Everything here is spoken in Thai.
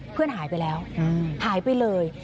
เพื่อนหายไปแล้วหายไปเลย